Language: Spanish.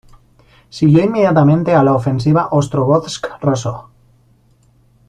Siguió inmediatamente a la Ofensiva Ostrogozhsk–Rossosh.